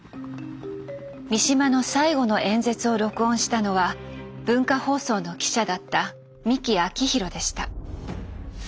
三島の最後の演説を録音したのは文化放送の記者だった三木明博でした。